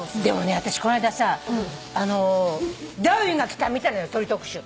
私この間さ『ダーウィンが来た！』見たのよ鳥特集。